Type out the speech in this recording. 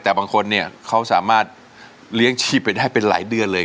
แต่บางคนเนี่ยเขาสามารถเลี้ยงชีพไปได้เป็นหลายเดือนเลย